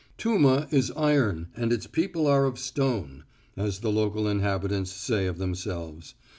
"Tuma is iron and its people are of stone," as the local inhabitants say of themselves.